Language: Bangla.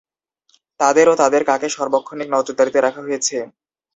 তাঁদের ও তাঁদের কাকে সার্বক্ষণিক নজরদারিতে রাখা হয়েছে?